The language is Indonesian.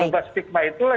perubahan stigma itulah